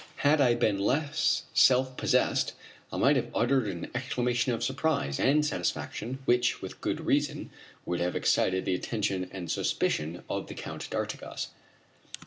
Had I been less self possessed I might have uttered an exclamation of surprise and satisfaction which, with good reason, would have excited the attention and suspicion of the Count d'Artigas.